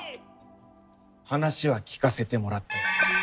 話は聞かせてもらったよ。